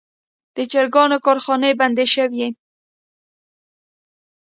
د چرګانو کارخانې بندې شوي.